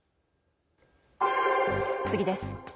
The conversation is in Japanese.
次です。